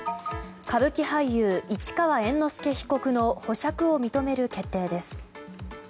歌舞伎俳優市川猿之助被告の保釈を認める決定です。